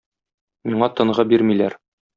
Миңа тынгы бирмиләр.